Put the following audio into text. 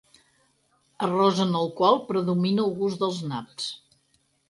Arròs en el qual predomina el gust dels naps.